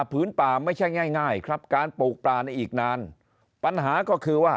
ผืนป่าไม่ใช่ง่ายง่ายครับการปลูกป่าในอีกนานปัญหาก็คือว่า